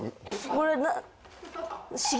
これ。